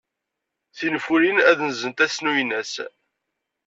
Tinfulin ad nzent ass n uynas.